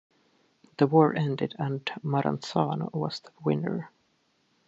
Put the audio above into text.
The war ended and Maranzano was the winner.